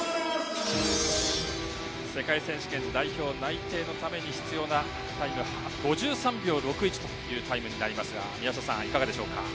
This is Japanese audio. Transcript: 世界選手権代表内定のために必要なタイムは５３秒６１というタイムになりますが宮下さん、いかがでしょうか？